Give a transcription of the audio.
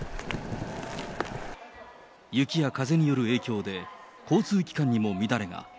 雪や風による影響で、交通機関にも乱れが。